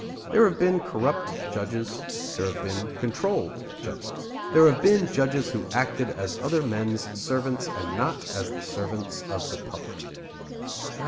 There have been corrupt judges; there have been controlled judges; there have been judges who acted as other men's servants and not as the servants of the public.